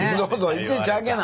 「いちいち開けな！」